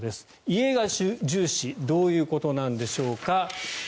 家が重視どういうことなんでしょうか。